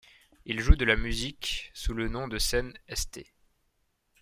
Il joue de la musique sous le nom de scène St.